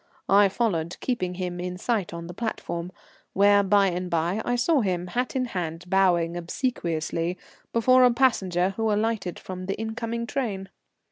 I followed, keeping him in sight on the platform, where, by and by, I saw him, hat in hand, bowing obsequiously before a passenger who alighted from the incoming train.